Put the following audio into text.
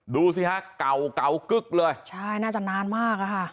ดูทัทเกากึกเลยนะจานานมาก